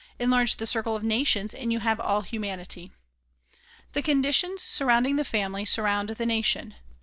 Enlarge the circle of nations and you have all hu manity. The conditions surrounding the family surround the nation.